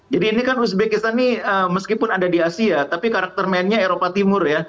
jadi ini kan uzbekistan ini meskipun ada di asia tapi karakter mainnya eropa timur ya